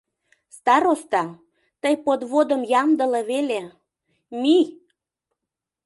Староста, тый подводым ямдыле веле, мий!